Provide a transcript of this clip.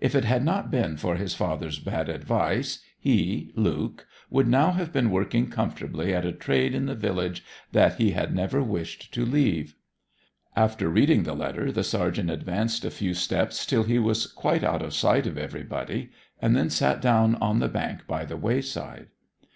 If it had not been for his father's bad advice he, Luke, would now have been working comfortably at a trade in the village that he had never wished to leave. After reading the letter the sergeant advanced a few steps till he was quite out of sight of everybody, and then sat down on the bank by the wayside.